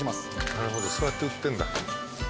なるほどそうやって売ってんだ。